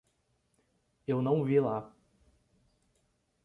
Eu não vi lá.